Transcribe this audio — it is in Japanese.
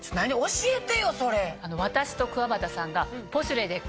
教えてよそれ。